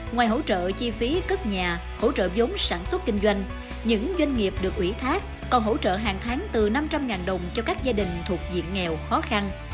ngoài hỗ trợ chi phí cất nhà hỗ trợ giống sản xuất kinh doanh những doanh nghiệp được ủy thác còn hỗ trợ hàng tháng từ năm trăm linh đồng cho các gia đình thuộc diện nghèo khó khăn